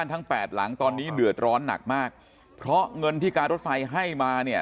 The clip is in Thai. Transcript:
ที่เดือดร้อนหนักมากเพราะเงินที่การรถไฟให้มาเนี่ย